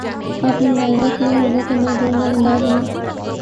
آپ نے ملاحظہ کیا ہو گا کہ میں گول مول انداز میں